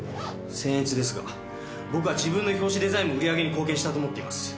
僭越ですが僕は自分の表紙デザインも売り上げに貢献したと思っています。